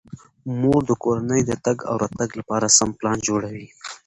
مور د کورنۍ د تګ او راتګ لپاره سم پلان جوړوي.